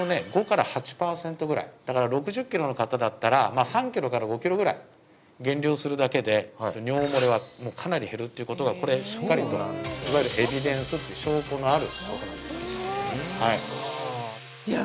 ５から８パーセントぐらいだから６０キロの方だったら３キロから５キロぐらい減量するだけで尿漏れはもうかなり減るっていうことがこれしっかりといわゆるエビデンスって証拠のあることなんですいや